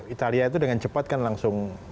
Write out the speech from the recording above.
italia itu dengan cepat kan langsung